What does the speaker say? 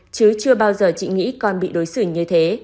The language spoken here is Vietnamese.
chứ chưa bao giờ chị nghĩ con bị đối xử như thế